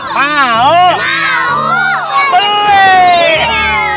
bagaimana kita boleh